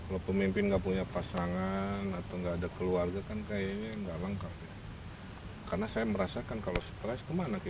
berarti perannya luar biasamadikan seperti apa kank